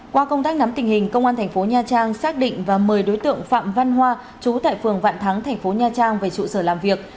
qua công tác nắm tình hình công an thành phố nha trang xác định và mời đối tượng phạm văn hoa chú tại phường vạn thắng thành phố nha trang về trụ sở làm việc